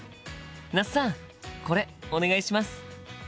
那須さんこれお願いします！